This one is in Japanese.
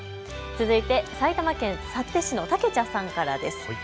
続いて埼玉県幸手市タケチャさんからです。